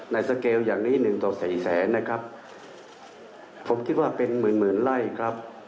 สเกลอย่างนี้หนึ่งต่อสี่แสนนะครับผมคิดว่าเป็นหมื่นหมื่นไร่ครับ